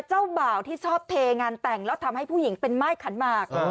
เจ้าบ่าวที่ชอบเทงานแต่งแล้วทำให้ผู้หญิงเป็นม่ายขันหมาก